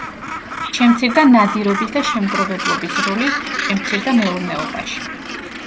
შემცირდა ნადირობის და შემგროვებლობის როლი შემცირდა მეურნეობაში.